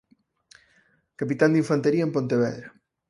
Capitán de Infantería en Pontevedra.